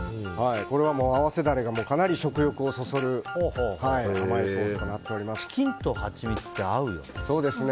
これは合わせダレがかなり食欲をそそるチキンとハチミツって合うよね。